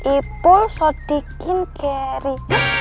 ipul sodikin geri